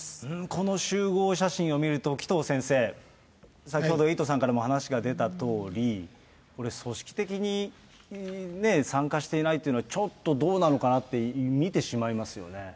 この集合写真を見ると、紀藤先生、先ほどエイトさんからも話が出たとおり、これ、組織的に参加していないというのは、ちょっとどうなのかなって見てしまいますよね。